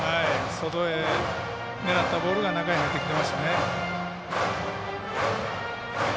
外へ狙ったボールが中に入ってきてましたね。